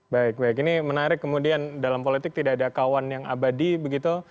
baik baik ini menarik kemudian dalam politik tidak ada kawan yang abadi begitu